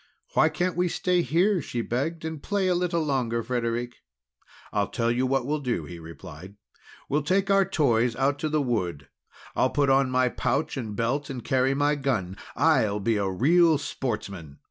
"Why can't we stay here?" she begged, "and play a little longer, Frederic?" "I'll tell you what we'll do," he replied. "We'll take our toys out to the wood. I'll put on my pouch and belt, and carry my gun. I'll be a real sportsman!